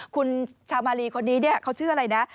คุณชาวมารีคนนี้เขาชื่ออะไรนะ